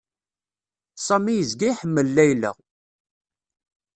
Sami yezga iḥemmel Layla.